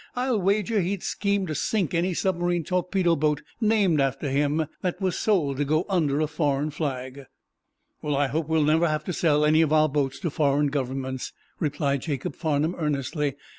I'll wager he'd scheme to sink any submarine torpedo boat, named after him, that was sold to go under a foreign flag." "I hope we'll never have to sell any of our boats to foreign governments," replied Jacob Farnum, earnestly.